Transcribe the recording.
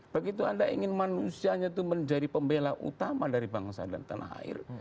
begitu anda ingin manusianya itu menjadi pembela utama dari bangsa dan tanah air